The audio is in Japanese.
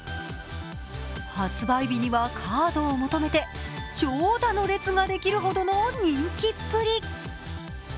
発売日にはカードを求めて長蛇の列ができるほどの人気っぷり。